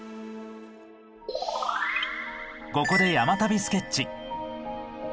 ここで「山旅スケッチ」。